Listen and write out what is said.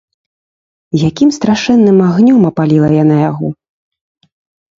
Якім страшэнным агнём апаліла яна яго!